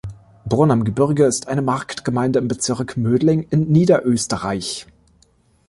Brunn am Gebirge ist eine Marktgemeinde im Bezirk Mödling in Niederösterreich.